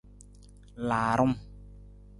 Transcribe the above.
Laarung.